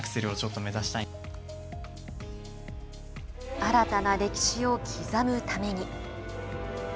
新たな歴史を刻むために。